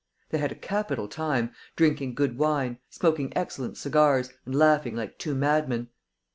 They had a capital time, drinking good wine, smoking excellent cigars, and laughing like two madmen.